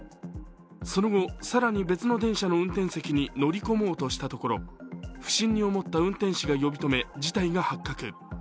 その後、更に別の電車の運転席に乗り込もうとしたところ、不審に思った運転士が呼び止め事態が発覚。